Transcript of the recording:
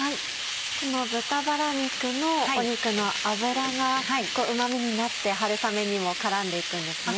この豚バラ肉の肉の脂がうま味になって春雨にも絡んで行くんですね。